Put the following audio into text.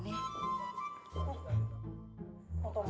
ngerasa aja sulam lagi bang